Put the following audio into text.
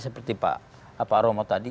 seperti pak aroma tadi